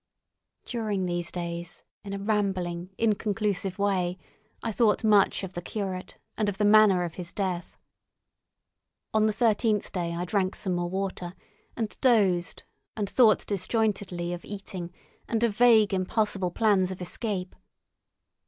During these days, in a rambling, inconclusive way, I thought much of the curate and of the manner of his death. On the thirteenth day I drank some more water, and dozed and thought disjointedly of eating and of vague impossible plans of escape.